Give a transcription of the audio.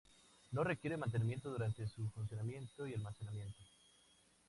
No requieren mantenimiento durante su funcionamiento y almacenamiento.